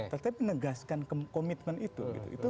tetapi menegaskan komitmen itu